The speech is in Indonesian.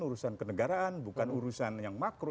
urusan kenegaraan bukan urusan yang makro